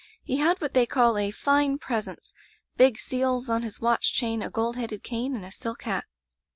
He had what they call a 'fine presence,' big seals on his watch chain, a gold headed cane, and a silk hat.